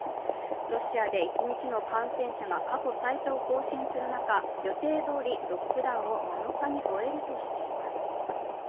ロシアで一日の感染者が過去最多を更新する中、予定どおりロックダウンを７日に終えるとしています。